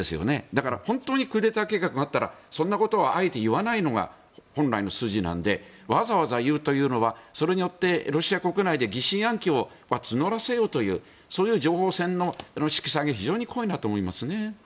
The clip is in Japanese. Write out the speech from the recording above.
だから、本当にクーデター計画があったらそんなことはあえて言わないのが本来の筋なのでわざわざ言うというのはそれによってロシア国内で疑心暗鬼を募らせようというそういう情報戦の色彩が非常に濃いなと思います。